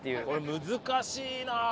これ難しいな。